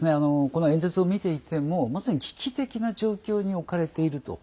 この演説を見ていてもまさに危機的な状況に置かれていると。